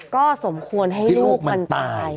ก็สมควรให้ลูกมันตาย